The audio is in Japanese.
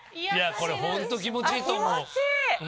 いやこれホント気持ちいいと思う。